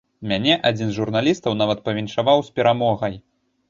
Мяне адзін з журналістаў нават павіншаваў з перамогай.